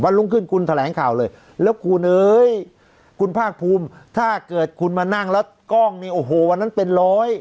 แผลงข่าวเลยแล้วคุณเอ้ยหุ่นภาคภูมิถ้าเกิดคุณมานั่งแล้วก้องมีโอ้โหวันนั้นเป็นร้อย